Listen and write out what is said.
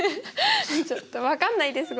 ちょっと分かんないです。